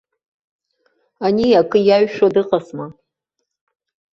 Ани акы иаҩшәо дыҟазма!